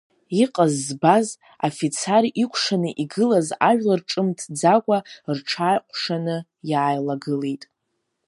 Иҟаз збаз, афицар икәшаны игылаз ажәлар ҿымҭӡакәа рҽааиҟәшаны иааилагылеит.